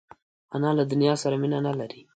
انا له دنیا سره مینه نه لري